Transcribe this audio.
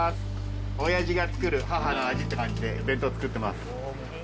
おやじが作る母の味って感じで、弁当を作ってます。